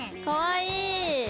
かわいい！